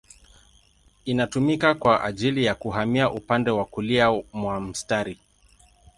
Inatumika kwa ajili ya kuhamia upande wa kulia mwa mstari.